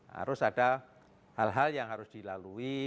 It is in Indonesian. harus ada hal hal yang harus dilalui